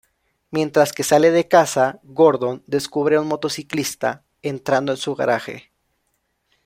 Mientras que sale de casa, Gordon descubre a un motociclista entrando en su garaje.